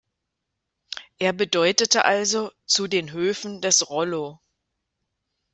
Er bedeutete also „zu den Höfen des Rollo“.